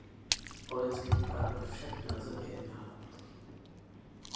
O lidských právech však nelze vyjednávat.